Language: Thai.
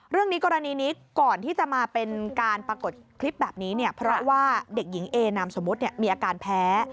เรื่องนี้กรณีนี้ก่อนที่จะมาเป็นการปรากฏคลิปแบบนี้เนี่ยเพราะว่าเด็กหญิงเอนามสมมุติมีอาการแพ้